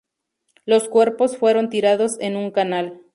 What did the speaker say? Los cuerpos fueron tirados en un canal.